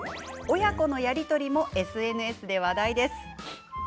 親子のやり取りもＳＮＳで話題です。